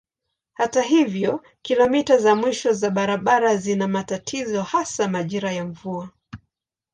Hata hivyo kilomita za mwisho za barabara zina matatizo hasa majira ya mvua.